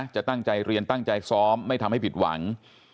จะตั้งใจเรียนตั้งใจซ้อมไม่ทำให้ผิดหวัง